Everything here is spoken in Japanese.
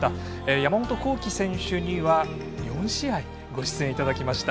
山本幸輝選手には４試合ご出演いただきました。